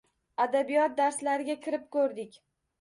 Adabiyot darslariga kirib ko’rdik.